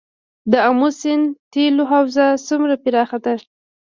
د امو سیند تیلو حوزه څومره پراخه ده؟